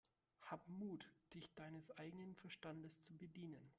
Habe Mut, dich deines eigenen Verstandes zu bedienen!